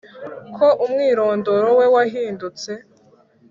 ko umwirondoro we wahindutse